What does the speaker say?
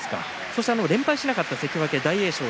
連敗しなかった関脇の大栄翔